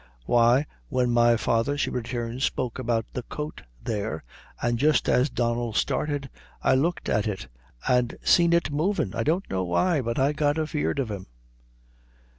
"Why, when my father," she returned, "spoke about the coat there, an' just as Donnel started, I looked at it, an' seen it movin', I don't know why, but I got afeard of him."